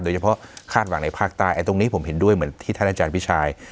โดยเฉพาะคาดฝั่งในภาคใต้ไอ้ตรงนี้ผมเห็นด้วยเหมือนที่ท่านอาจารย์พี่ชาย